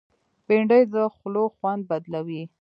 بېنډۍ د خولو خوند بدلوي